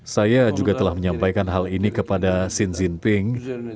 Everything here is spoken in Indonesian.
saya juga telah menyampaikan hal ini kepada xi jinping